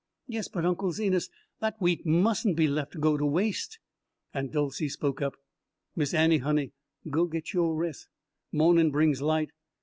"Yes, but, Unc' Zenas, that wheat mustn't be left go to waste." Aunt Dolcey spoke up. "Miss Annie, honey, go git your res' mawnin' brings light.